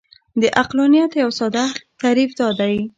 د عقلانیت یو ساده تعریف دا دی.